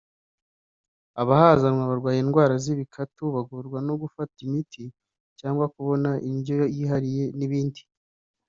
abahazanwa barwaye indwara z’ibikatu bagorwa no gufata imiti cyangwa kubona indyo yihariye n’ibindi